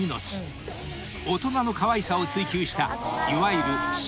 ［大人のかわいさを追求したいわゆる］